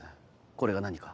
これが何か。